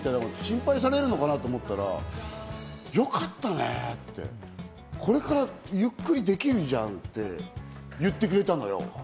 みたいな、心配されるのかなって思ったら、よかったねって、「これからゆっくりできるじゃん」って言ってくれたのよ。